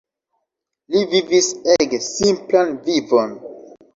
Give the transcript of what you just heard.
Li vivis ege simplan vivon.